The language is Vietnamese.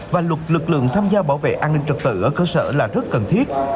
và luật lực lượng tham gia bảo vệ an ninh trật tự ở cơ sở là rất cần thiết